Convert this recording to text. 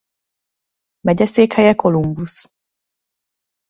Megyeszékhelye Columbus.